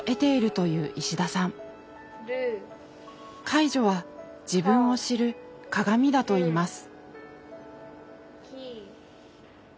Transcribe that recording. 介助は自分を知る「鏡」だといいます。